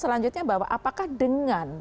selanjutnya bahwa apakah dengan